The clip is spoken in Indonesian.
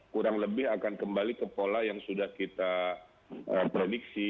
kurang lebih akan kembali ke pola yang sudah kita prediksi